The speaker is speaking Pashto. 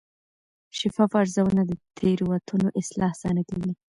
شفاف ارزونه د تېروتنو اصلاح اسانه کوي.